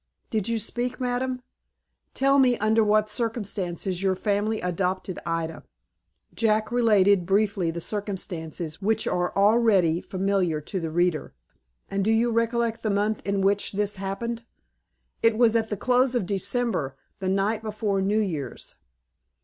"Did you speak, madam?" "Tell me under what circumstances your family adopted Ida." Jack related, briefly, the circumstances, which are already familiar to the reader. "And do you recollect the month in which this happened?" "It was at the close of December, the night before New Years."